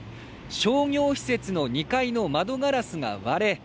商業施設の２階の窓ガラスが割れ